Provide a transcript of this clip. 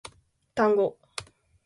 単語